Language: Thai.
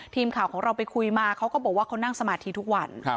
ทีมข่าวของเราไปคุยมาเขาก็บอกว่าเขานั่งสมาธิทุกวัน